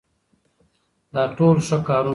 دا ټول ښه کارونه دي.